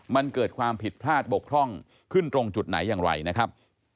มันเกิดความผิดพลาดบกพร่องขึ้นตรงจุดไหนอย่างไรนะครับ